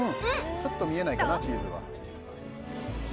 ちょっと見えないかなチーズは。